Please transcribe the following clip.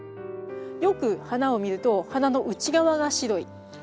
よく花を見ると花の内側が白い。